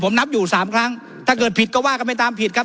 ผมนับอยู่สามครั้งถ้าเกิดผิดก็ว่ากันไปตามผิดครับ